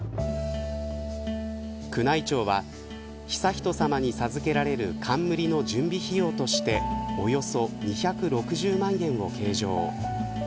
宮内庁は悠仁さまに授けられる冠の準備費用としておよそ２６０万円を計上。